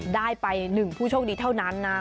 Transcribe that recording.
ได้ไป๑ผู้โชคดีเท่านั้นนะ